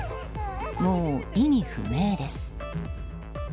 もう意味不明です。